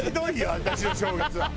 私の正月は。